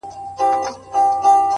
نجلۍ ولاړه په هوا ده او شپه هم يخه ده~